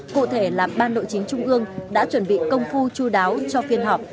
cụ thể là ban nội chính trung ương đã chuẩn bị công phu chú đáo cho phiên họp